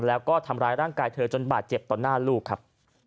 แล้วก็ทำร้ายร่างกายเธอจนบาดเจ็บต่อหน้าลูกครับ